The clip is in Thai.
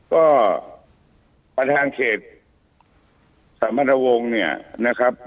ก็ประธานเขตสามพันรวงเนี่ยนะครับ